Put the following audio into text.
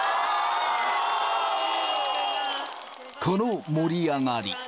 この盛り上がり。